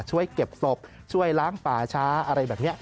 ช่วยเก็บศพช่วยล้างป่าช้าอะไรแบบนี้